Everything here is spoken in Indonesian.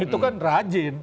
itu kan rajin